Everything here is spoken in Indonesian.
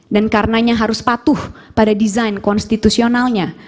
dan karenanya harus patuh pada desain konstitusionalnya